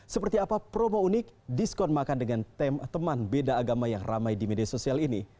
seperti apa promo unik diskon makan dengan teman beda agama yang ramai di media sosial ini